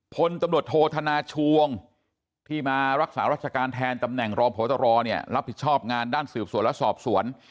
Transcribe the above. พลตำรวจโทษธนาชวงที่มารักษารัชการแทนตำแหน่งรองพตรเนี่ยรับผิดชอบงานด้านสืบสวนและสอบสวน